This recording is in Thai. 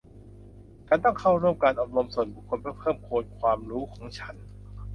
ฉันต้องเข้าร่วมการอบรมส่วนบุคคลเพื่อเพิ่มพูนความรู้ของฉัน